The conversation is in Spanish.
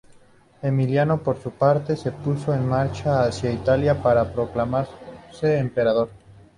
Emiliano, por su parte, se puso en marcha hacia Italia para proclamarse emperador.